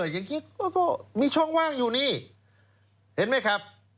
อย่างนี้ก็มีช่องว่างอยู่นี่เห็นไหมครับ